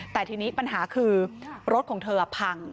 แต่ทีนี้ปัญหาคือรถของเธอพัง